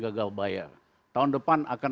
gagal bayar tahun depan akan